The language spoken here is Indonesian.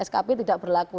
skb tidak berlaku